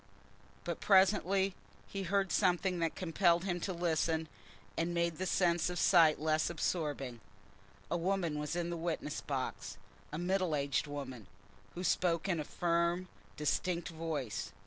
But presently he heard something that compelled him to listen, and made the sense of sight less absorbing. A woman was in the witness box, a middle aged woman, who spoke in a firm distinct voice.